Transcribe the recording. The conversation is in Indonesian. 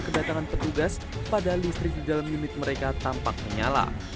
kedatangan petugas padahal listrik di dalam unit mereka tampak menyala